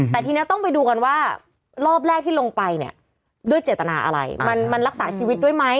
แต่ทีนี้ต้องไปดูกันว่ารอบแรกที่ลงไปเนี่ยด้วยเจตนาอะไรมันรักษาชีวิตด้วยไหม